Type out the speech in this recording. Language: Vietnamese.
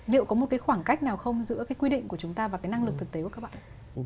liệu có một cái khoảng cách nào không giữa cái quy định của chúng ta và cái năng lực thực tế của các bạn